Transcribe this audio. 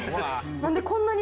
何でこんなに。